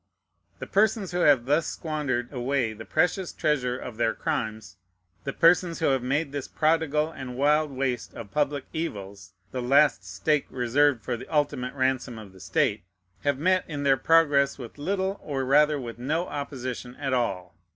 The persons who have thus squandered away the precious treasure of their crimes, the persons who have made this prodigal and wild waste of public evils, (the last stake reserved for the ultimate ransom of the state,) have met in their progress with little, or rather with no opposition at all.